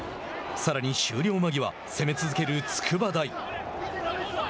さらに終了間際攻め続ける筑波大。